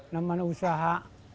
dia sudah berusaha